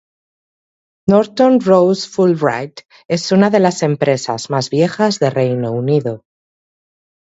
Norton Rose Fulbright es una de las empresas más viejas del Reino Unido.